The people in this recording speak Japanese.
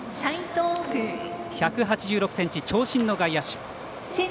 齊藤、１８６ｃｍ長身の外野手。